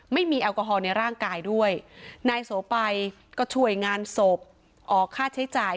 แอลกอฮอล์ในร่างกายด้วยนายโสไปก็ช่วยงานศพออกค่าใช้จ่าย